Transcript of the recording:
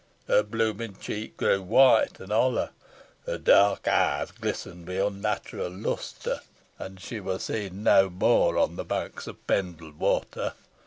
Her blooming cheek grew white and hollow, her dark eyes glistened with unnatural lustre, and she was seen no more on the banks of Pendle water.